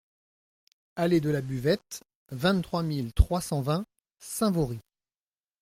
Allée de la Buvette, vingt-trois mille trois cent vingt Saint-Vaury